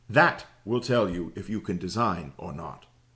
That will tell you if you can design or not.